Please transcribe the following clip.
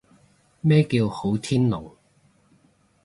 咩叫好天龍？